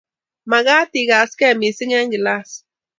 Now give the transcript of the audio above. Magat ikaste missing eng kilas